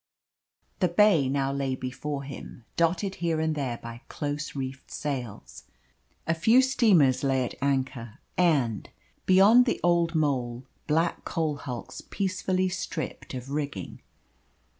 The bay now lay before him, dotted here and there by close reefed sails. A few steamers lay at anchor, and, beyond the old Mole, black coal hulks peacefully stripped of rigging.